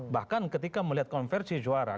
bahkan ketika melihat konversi suara